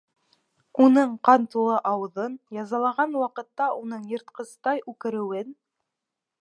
Уның ҡан тулы ауыҙын, язалаған ваҡытта уның йыртҡыстай үкереүен.